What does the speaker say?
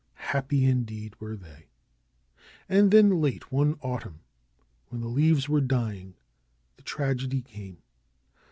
Happy indeed were they! And then late one autumn, when the leaves were dying, the tragedy came.